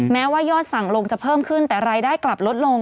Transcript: แม้ว่ายอดสั่งลงจะเพิ่มขึ้นแต่รายได้กลับลดลง